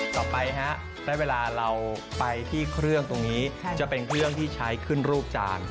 ต่อไปฮะและเวลาเราไปที่เครื่องตรงนี้จะเป็นเครื่องที่ใช้ขึ้นรูปจาน